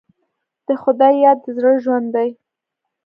د خدای یاد د زړه ژوند دی.